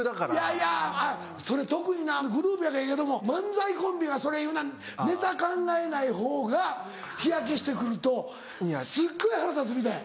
いやいやそれ特になグループやからええけども漫才コンビネタ考えないほうが日焼けして来るとすっごい腹立つみたい。